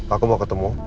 aku mau ketemu